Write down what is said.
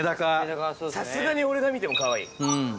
さすがに俺が見てもかわいい。